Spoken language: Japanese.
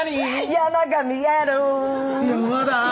「山が見える」「山だ」